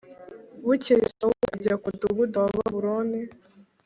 Bukeye Sawuli ajya ku mudugudu wa baburoni